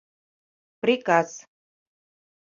Приказ.